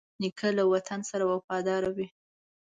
نیکه له وطن سره وفادار وي.